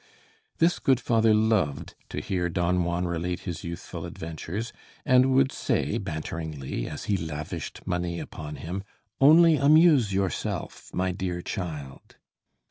This good father loved to hear Don Juan relate his youthful adventures, and would say, banteringly, as he lavished money upon him: "Only amuse yourself, my dear child!"